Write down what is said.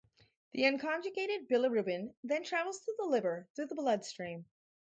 The unconjugated bilirubin then travels to the liver through the bloodstream.